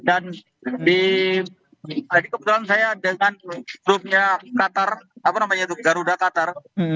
dan di tadi kebetulan saya dengan grupnya qatar apa namanya itu garuda qatar